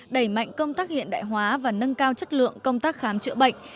đẩy mạnh công tác hiện đại hóa và nâng cao chất lượng công tác khám chữa bệnh